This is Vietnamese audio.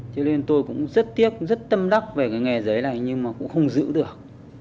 cho nên tôi cũng rất tiếc rất tâm đắc về cái nghề giấy này nhưng mà cũng không giữ được